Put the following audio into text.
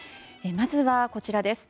まずは、こちらです。